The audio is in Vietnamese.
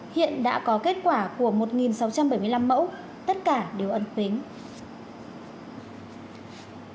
hiện đã có kết quả của một sáu trăm bảy mươi năm mẫu tất cả đều âm tính